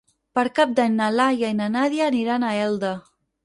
Per Cap d'Any na Laia i na Nàdia aniran a Elda.